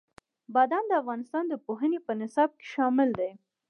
بادام د افغانستان د پوهنې په نصاب کې شامل دي.